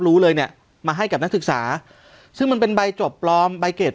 รู้เลยเนี่ยมาให้กับนักศึกษาซึ่งมันเป็นใบจบปลอมใบเกรด